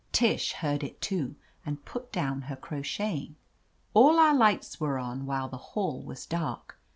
Tish heard it, too, and put down her crocheting. AH our lights were on, while the hall was dark.